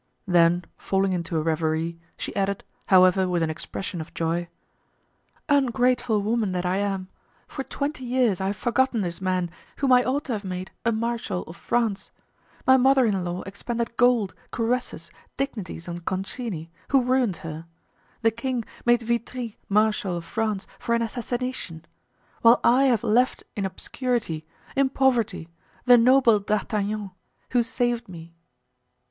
Then falling into a reverie, she added, however, with an expression of joy, "Ungrateful woman that I am, for twenty years I have forgotten this man, whom I ought to have made a marechal of France. My mother in law expended gold, caresses, dignities on Concini, who ruined her; the king made Vitry marechal of France for an assassination: while I have left in obscurity, in poverty, the noble D'Artagnan, who saved me!"